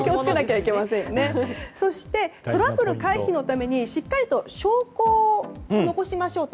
そして、トラブル回避のためにしっかりと証拠を残しましょうと。